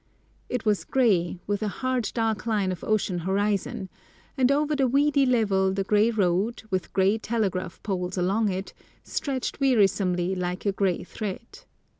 It was grey, with a hard, dark line of ocean horizon, and over the weedy level the grey road, with grey telegraph poles along it, stretched wearisomely like a grey thread.